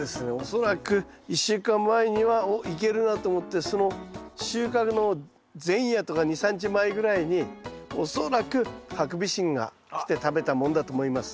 恐らく１週間前にはおっいけるなと思ってその収穫の前夜とか２３日前ぐらいに恐らくハクビシンが来て食べたもんだと思います。